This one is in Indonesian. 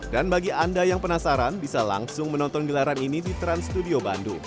dan bagi anda yang penasaran bisa langsung menonton gelaran ini di trans studio bandung